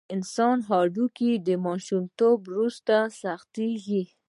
د انسان هډوکي د ماشومتوب وروسته سختېږي.